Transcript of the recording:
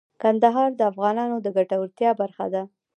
کندهار د افغانانو د ګټورتیا برخه ده.